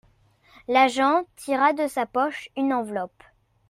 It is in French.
L'agent tira de sa poche une enveloppe.